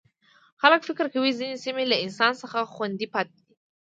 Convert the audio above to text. خلک فکر کوي ځینې سیمې له انسان څخه خوندي پاتې دي.